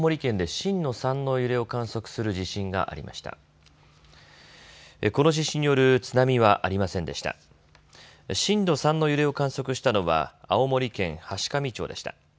震度３の揺れを観測したのは青森県階上町でした。